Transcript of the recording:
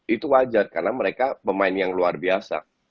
itu wajar karena mereka pemain yang luar biasa